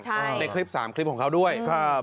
ใช่ครับในคลิป๓ของเขาด้วย